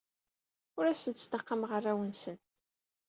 Ur asen-ttnaqameɣ arraw-nsen.